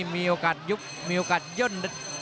มีโอกาสยุบมีโอกาสย่น